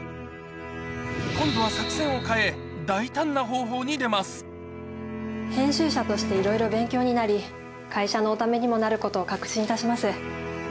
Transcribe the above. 今度は作戦を変え、大胆な方編集者としていろいろ勉強になり、会社のおためにもなることを確信いたします。